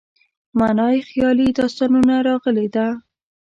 معنا یې خیالي داستانونه راغلې ده.